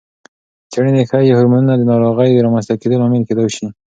څېړنې ښيي، هورمونونه د ناروغۍ رامنځته کېدو لامل کېدای شي.